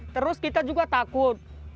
terus kita juga takut